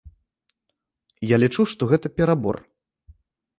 Я лічу, што гэта перабор.